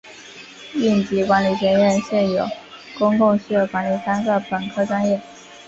应急管理学院现有公共事业管理三个本科专业。